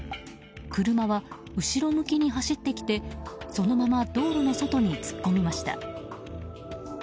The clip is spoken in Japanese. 車は後ろ向きに走ってきてそのまま道路の外に突っ込みました。